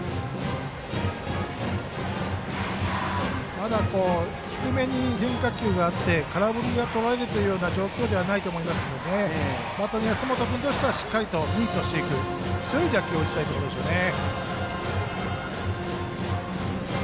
まだ低めに変化球があって空振りがとられるような状況ではないと思いますからバッターの安本君としてはしっかりミートしていく打球を打ちたいですね。